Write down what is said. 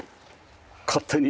勝手に。